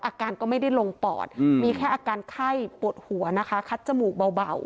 อาการก็ไม่ได้ลงปอดมีแค่อาการไข้ปวดหัวนะคะคัดจมูกเบา